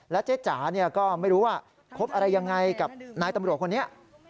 เจ๊จ๋าก็ไม่รู้ว่าคบอะไรยังไงกับนายตำรวจคนนี้